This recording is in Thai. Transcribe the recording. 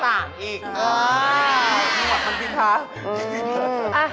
เหมาะค่ะ